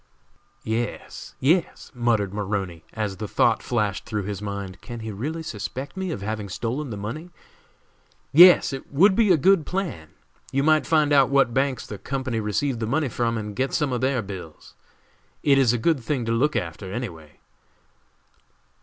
"Yes! yes!" muttered Maroney, as the thought flashed through his mind, "can he really suspect me of having stolen the money?" "Yes, it would be a good plan. You might find out what banks the company received the money from and get some of their bills! It is a good thing to look after, any way."